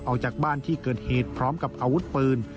ออกจากบ้านที่เกิดเหตุพร้อมกับอาวุธปืน